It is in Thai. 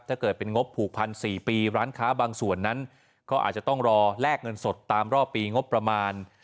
ถ้าเกิดเป็นงบผูกพัน๔ปีร้านค้าบางส่วนนั้นก็อาจจะต้องรอแลกเงินสดตามรอบปีงบประมาณ